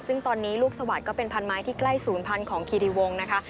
ซึ่งตอนนี้ลูกสวัสดิ์ก็เป็นพันไม้ที่ใกล้ศูนย์พันธุ์ของคีรีวงนะคะ